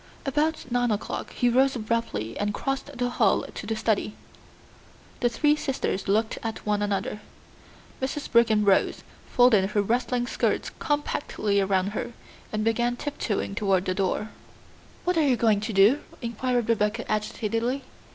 About nine o'clock he rose abruptly and crossed the hall to the study. The three sisters looked at one another. Mrs. Brigham rose, folded her rustling skirts compactly round her, and began tiptoeing toward the door. "What are you going to do?" inquired Rebecca agitatedly.